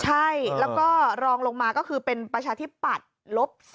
ใช่แล้วก็รองลงมาก็คือเป็นประชาธิปัตย์ลบ๒